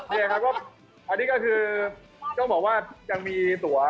นี่ครับก็อันนี้ก็คือต้องบอกว่ายังมีตัว